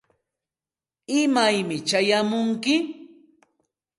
¿imaymi chayamunki?